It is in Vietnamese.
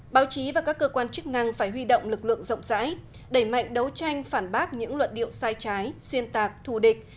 báo chí và các cơ quan chức năng phải huy động lực lượng rộng rãi đẩy mạnh đấu tranh phản bác những luận điệu sai trái xuyên tạc thù địch